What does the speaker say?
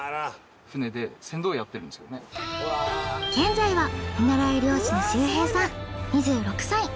現在は見習い漁師の周平さん２６歳。